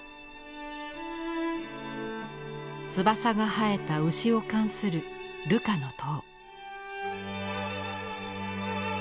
翼が生えた牛を冠するルカの塔。